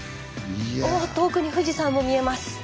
おお遠くに富士山も見えます。